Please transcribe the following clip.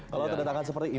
kalau tanda tangan seperti ini